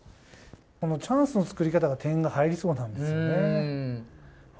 このチャンスの作り方が点が入りそうなんですよね。